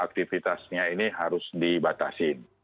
aktivitasnya ini harus dibatasin